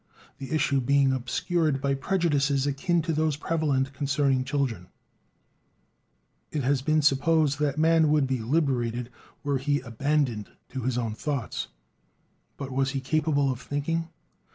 The issue being obscured by prejudices akin to those prevalent concerning children, it has been supposed that man would be "liberated" were he "abandoned" to his own thoughts. But was he capable of "thinking"?